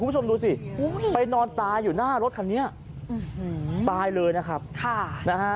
คุณผู้ชมดูสิไปนอนตายอยู่หน้ารถคันนี้ตายเลยนะครับค่ะนะฮะ